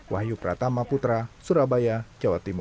wahyu pratama putra surabaya jawa timur